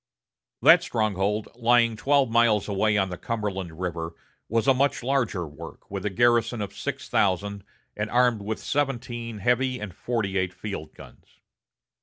That stronghold, lying twelve miles away on the Cumberland River, was a much larger work, with a garrison of six thousand, and armed with seventeen heavy and forty eight field guns.